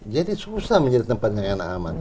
jadi susah mencari tempat yang enak aman